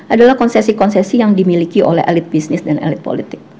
adalah konsesi konsesi yang dimiliki oleh elit bisnis dan elit politik